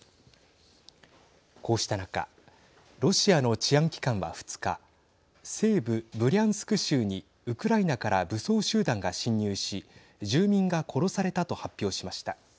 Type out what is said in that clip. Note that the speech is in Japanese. こうした中ロシアの治安機関は２日西部ブリャンスク州にウクライナから武装集団が侵入し住民が殺されたと発表しました。